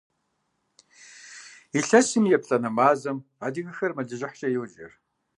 Илъэсым и еплӀанэ мазэм адыгэхэр мэлыжьыхькӀэ йоджэ.